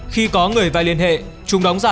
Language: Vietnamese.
khi có người vay liên hệ chúng đóng giả